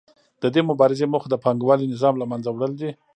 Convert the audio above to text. د دې مبارزې موخه د پانګوالي نظام له منځه وړل دي